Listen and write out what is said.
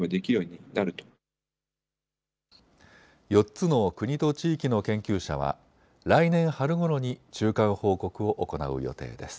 ４つの国と地域の研究者は来年春ごろに中間報告を行う予定です。